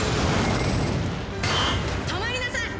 止まりなさい！